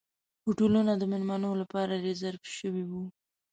هوټلونه د میلمنو لپاره ریزرف شوي وو.